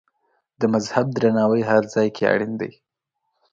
د مذهب درناوی هر ځای کې اړین دی.